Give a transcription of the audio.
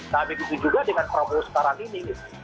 nah begitu juga dengan prabowo sekarang ini